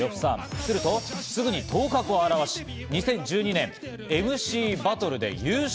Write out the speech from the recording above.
するとすぐに頭角を現し、２０１２年、ＭＣバトルで優勝。